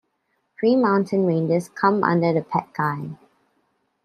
Three mountain ranges come under the Patkai.